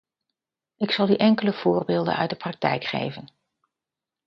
Ik zal u enkele voorbeelden uit de praktijk geven.